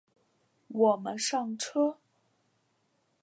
我们上车